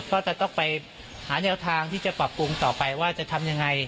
ก็จะต้องไปหาแนวทางที่จะปรับปรุงต่อไปว่าจะทำยังไง